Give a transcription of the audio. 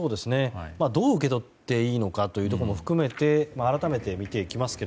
どう受け取っていいのかというところも含めて改めて見ていきます。